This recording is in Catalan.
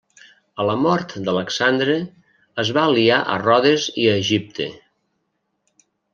A la mort d'Alexandre es va aliar a Rodes i a Egipte.